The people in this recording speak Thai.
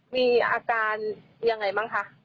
มีอาการยังไงบ้างคะ